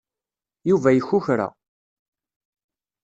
Yuba yekukra.